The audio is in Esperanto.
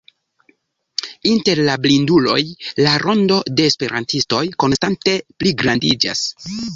Inter la blinduloj, la rondo de esperantistoj konstante pligrandiĝas.